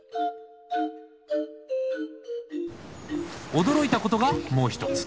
驚いたことがもう一つ。